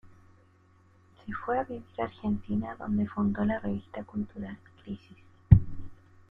Se fue a vivir a Argentina, donde fundó la revista cultural "Crisis".